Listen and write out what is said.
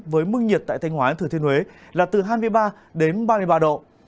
với mức nhiệt tại thanh hóa thừa thiên huế là từ hai mươi ba đến ba mươi ba độ